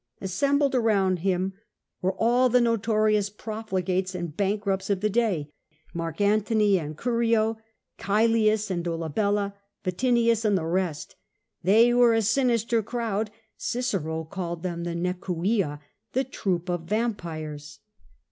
Assembled around him were all the notorious prolligates and bank rupts of the day, Mark Antony and Curio, Cmlius and Dolabella, Vatiniiis and the rest. They were a sinister crowd: Cicero called them the ve/cvla^ the troop of vam pires.